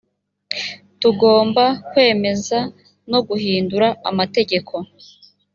tugomba kwemeza no guhindura amategeko